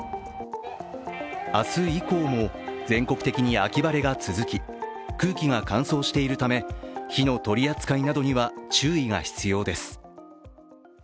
明日以降も全国的に秋晴れが続き、空気が乾燥しているため火の取り扱いなどには注意が必要です。